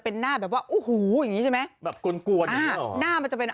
เป็นหน้าแบบว่าโอ้โหอย่างงี้ใช่ไหมแบบกลวนหน้ามันจะเป็น